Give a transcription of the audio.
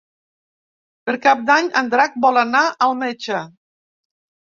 Per Cap d'Any en Drac vol anar al metge.